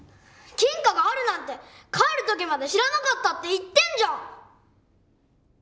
金貨があるなんて帰る時まで知らなかったって言ってんじゃん！